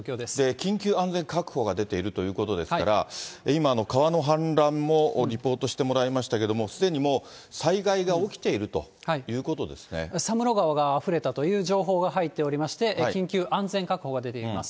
緊急安全確保が出ているということですから、今、川の氾濫もリポートしてもらいましたけれども、すでにもう災害が起きている佐室川があふれたという情報が入っておりまして、緊急安全確保が出ています。